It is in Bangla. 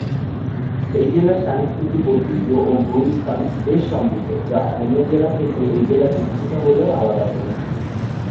এই জেলার সাংস্কৃতিক ঐতিহ্য ও ভূ-সংস্থান বেশ সমৃদ্ধ যা অন্যান্য জেলা থেকে এই জেলাকে কিছুটা হলেও আলাদা করেছে।